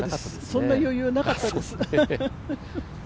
そんな余裕なかったです。